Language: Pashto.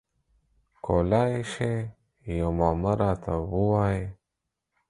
کولای شی یوه معما راته ووایی؟